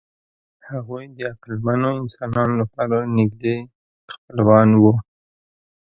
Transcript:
هغوی د عقلمنو انسانانو لپاره نږدې خپلوان وو.